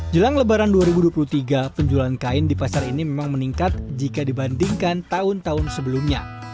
jelang lebaran dua ribu dua puluh tiga penjualan kain di pasar ini memang meningkat jika dibandingkan tahun tahun sebelumnya